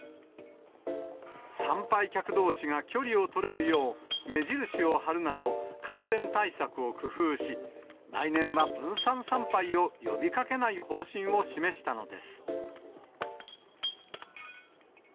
参拝客どうしが距離を取れるよう、目印を貼るなど、感染対策を工夫し、来年は分散参拝を呼びかけない方針を示したのです。